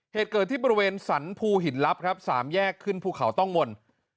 เหตุเกิดที่บริเวณสรรภูหินลับครับ๓แยกขึ้นภูเขาต้องมนต์